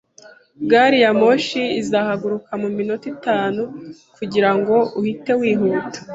Gari ya moshi izahaguruka mu minota itanu kugirango uhite wihuta